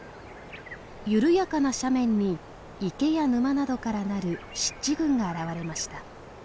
緩やかな斜面に池や沼などからなる湿地群が現れました。